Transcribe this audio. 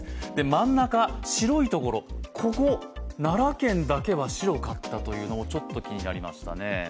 真ん中白いところ、ここ奈良県だけは白かったというのがちょっと気になりましたね。